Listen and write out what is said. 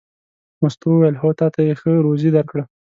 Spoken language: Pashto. مستو وویل: هو تا ته یې ښه روزي درکړه.